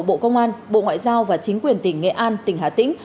bộ công an bộ ngoại giao và chính quyền tỉnh nghệ an tỉnh hà tĩnh